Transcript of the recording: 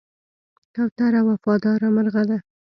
کوتره وفاداره مرغه ده.